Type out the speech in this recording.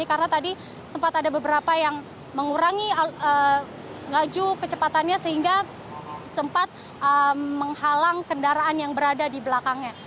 karena tadi sempat ada beberapa yang mengurangi laju kecepatannya sehingga sempat menghalang kendaraan yang berada di belakangnya